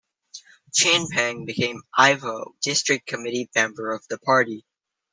Chin Peng became Ipoh District committee member of the Party.